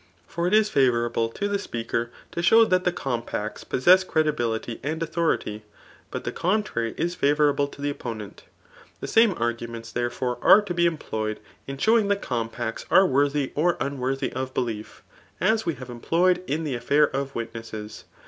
9ot k is fevourable to the speaker to sfebw that the compacts possess cre<fibiKty and authority; but the contrary is favourable to the opponent. The same arguments, therefo(re» ve to be en^Ioyed m showing that cowufaam 9S TUfi ART or BOOK I. are warihf or unworthy of bdief, as we have employed m the afiair of witnesses.